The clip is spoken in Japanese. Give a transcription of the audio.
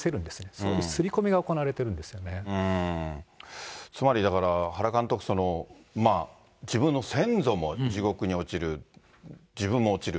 そういう刷り込つまりだから、原監督、自分の先祖も地獄に落ちる、自分も落ちる。